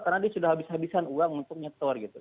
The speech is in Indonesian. karena dia sudah habis habisan uang untuk nyetor gitu